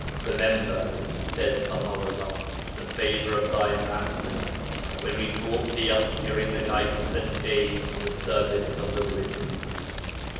'Remember,' says Baha 'ullah, 'the favour of thy master, when we brought thee up during the nights and days for the service of the Religion.